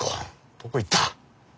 どこ行った？